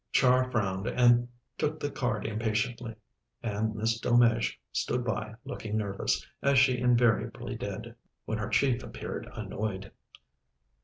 Char frowned and took the card impatiently, and Miss Delmege stood by looking nervous, as she invariably did when her chief appeared annoyed.